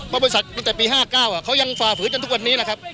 เพราะบริษัทตั้งแต่ปี๕๙เขายังฝ่าฝืนจนทุกวันนี้แหละครับ